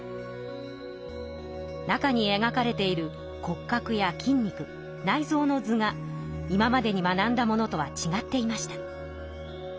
中にえがかれている骨格や筋肉内臓の図が今までに学んだものとはちがっていました。